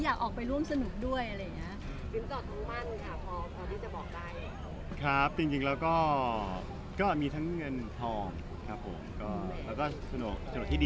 อยากได้ออกไปร่วมด้วยอะไรแบบนี้